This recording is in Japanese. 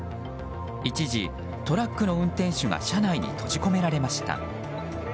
一時、トラックの運転手が車内に閉じ込められました。